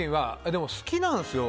でも好きなんですよ。